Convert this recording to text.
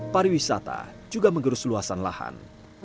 para wisata juga menggerus luasan lahan